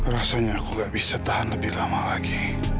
rasanya aku gak bisa tahan lebih lama lagi